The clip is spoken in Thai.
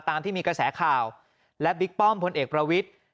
ตามที่มีกระแสข่าวและบิ๊กป้อมพลเอกประวิทธิ์